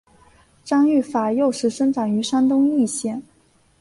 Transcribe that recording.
张玉法幼时生长于山东峄县。